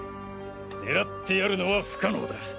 狙ってやるのは不可能だ。